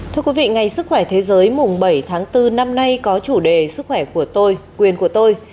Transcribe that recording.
thưa quý vị ngày sức khỏe thế giới mùng bảy tháng bốn năm nay có chủ đề sức khỏe của tôi quyền của tôi